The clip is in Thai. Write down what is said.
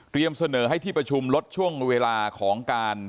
เสนอให้ที่ประชุมลดช่วงเวลาของการ